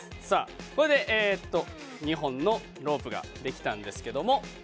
これで２本のロープができたんですけども。